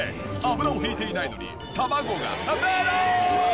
油を引いていないのに卵がペロン！